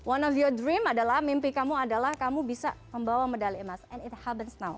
one of your dream adalah mimpi kamu adalah kamu bisa membawa medali emas and it happens now